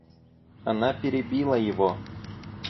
Она перебила его.